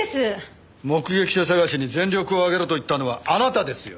目撃者捜しに全力を挙げろと言ったのはあなたですよ。